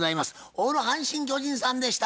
オール阪神・巨人さんでした。